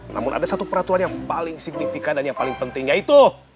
namun ada satu peraturan yang paling signifikan dan yang paling penting yaitu